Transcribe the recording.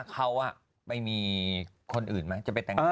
เขาไปมีคนอื่นไหม